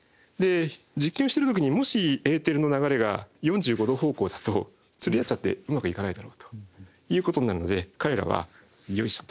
実験してる時にもしエーテルの流れが４５度方向だとつり合っちゃってうまくいかないだろうということになるので彼らはよいしょっと。